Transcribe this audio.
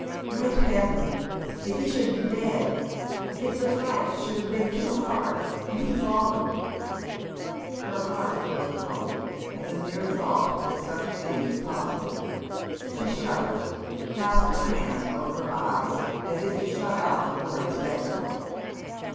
Great heaven ! if he should be dead I If the fight should have been too hard, and he fallen ! Her heart growls cold at the mere thought that such a thing is possible. She shudders, clasps her hands over her eyes as if to shut out the horrid spectacle.